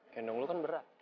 kendong lo kan berat